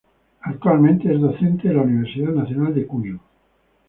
Actualmente es docente de la Universidad Nacional de Cuyo.